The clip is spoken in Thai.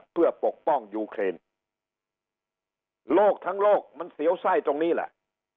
เพื่อปกป้องยูเครนโลกทั้งโลกมันเสียวไส้ตรงนี้แหละ